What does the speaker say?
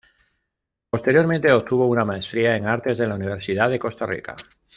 Posteriormente obtuvo una maestría en Artes de la Universidad de Costa Rica.